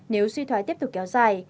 nếu suy thoái tiếp tục kéo dài